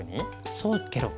そうケロ。